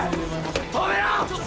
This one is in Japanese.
止めろ！